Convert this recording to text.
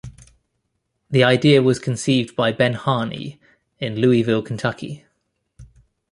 The idea was conceived by Ben Harney, in Louisville, Kentucky.